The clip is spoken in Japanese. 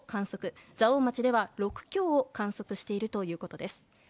蔵王町では６強を観測しているということです。